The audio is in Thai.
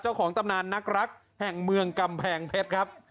ตำนานนักรักแห่งเมืองกำแพงเพชรครับ